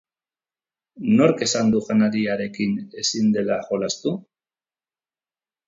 Nork esan du janariarekin ezin dela jolastu?